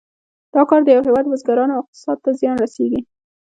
دا کار د یو هېواد بزګرانو او اقتصاد ته زیان رسیږي.